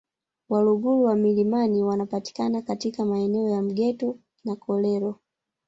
Waluguru wa milimani wanapatikana katika maeneo ya Mgeta na Kolero